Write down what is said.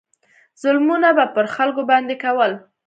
ظلمونه به پر خلکو باندې کول.